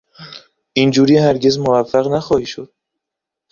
اینجوری هرگز موفق نخواهی شد.